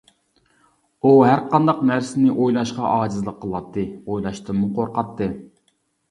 ئۇ ھەرقانداق نەرسىنى ئويلاشقا ئاجىزلىق قىلاتتى، ئويلاشتىنمۇ قورقاتتى.